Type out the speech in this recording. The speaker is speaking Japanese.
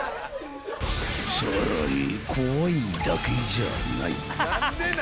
［さらに怖いだけじゃない］